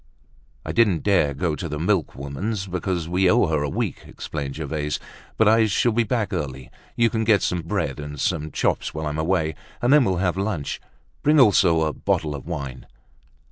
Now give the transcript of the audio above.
"I didn't dare go to the milkwoman's, because we owe her a week," explained Gervaise. "But I shall be back early; you can get some bread and some chops whilst I'm away, and then we'll have lunch. Bring also a bottle of wine."